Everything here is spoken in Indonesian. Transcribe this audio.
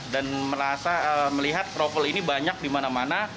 dan melihat krovol ini banyak di mana mana